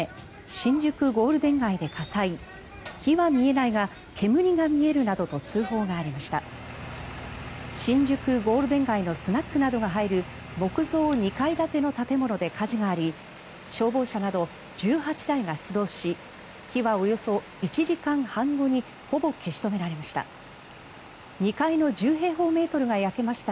新宿ゴールデン街のスナックなどが入る木造２階建ての建物で火事があり消防車など１８台が出動し火はおよそ１時間半後にほぼ消し止められました。